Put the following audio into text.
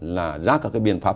là ra cả cái biện pháp